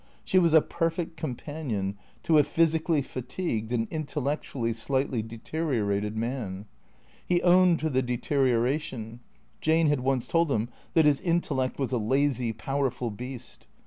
She was a perfect companion to a physically fatigued and intellectually slightly deteriorated man. He owned to the deterioration. Jane had once told him that his intellect was a " lazy, powerful beast."